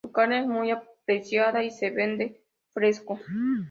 Su carne es muy apreciada y se vende fresco.